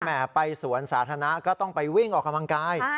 ไปสวนสาธารณะก็ต้องไปวิ่งออกกำลังกาย